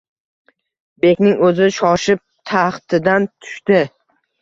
Bekning o’zi shoshib taxtidan tushdi